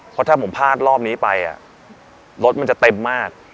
เพราะถ้าผมพลาดรอบนี้ไปรถมันจะเต็มมาก